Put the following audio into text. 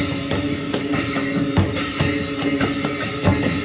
สวัสดีสวัสดี